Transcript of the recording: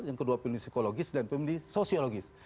yang kedua pemilih psikologis dan pemilih sosiologis